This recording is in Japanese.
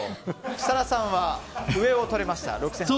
設楽さんは上を取れました６８００円。